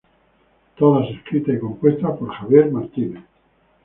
Todas escritas y compuestas por Javier Martínez.